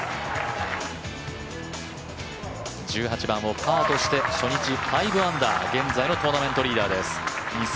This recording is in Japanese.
１８番をパーとして初日５アンダー現在のトーナメントリーダーです。